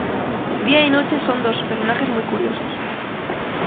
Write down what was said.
Día y Noche son dos personajes muy curiosos.